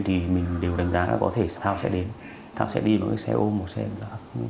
thì mình đều đánh giá là có thể thao xuất hiện tại đây